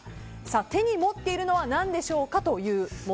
手に持っているのは何でしょうか。